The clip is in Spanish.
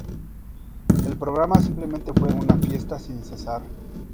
El programa simplemente fue una fiesta sin cesar.